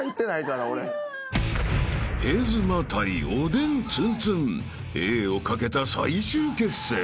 ［ヘズマ対おでんツンツンＡを懸けた最終決戦］